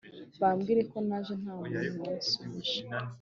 'babwire ko naje, nta muntu wasubije,